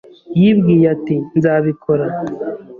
Yibwiye ati: "Nzabikora."